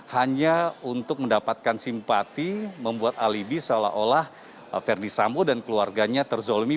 hanya untuk mendapatkan simpati membuat alibi seolah olah ferdi sambo dan keluarganya terzolimi